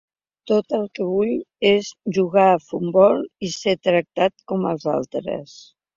Tot el que vull és jugar a futbol i ser tractat com als altres.